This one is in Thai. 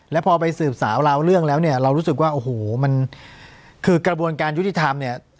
แล้วพอไปสืบสาวราวเรื่องแล้วเนี่ยเรารู้สึกว่าโอ้โหมันคือกระบวนการยุติธรรมเนี่ย